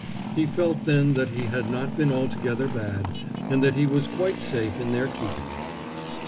He felt then that he had not been altogether bad, and that he was quite safe in their keeping.